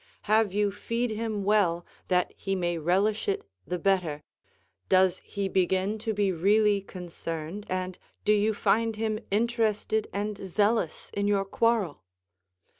Have you feed him well that he may relish it the better, does he begin to be really concerned, and do you find him interested and zealous in your quarrel?